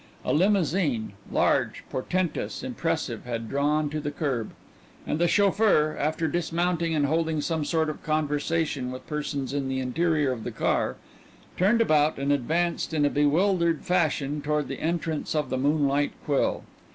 A limousine, large, portentous, impressive, had drawn to the curb, and the chauffeur, after dismounting and holding some sort of conversation with persons in the interior of the car, turned about and advanced in a bewildered fashion toward the entrance of the Moonlight Quill.